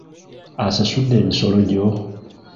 Osasudde emisolo gyo?